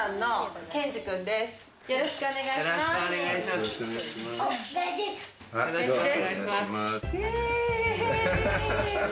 よろしくお願いします。